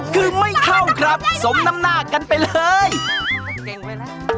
เก่งไปแล้ว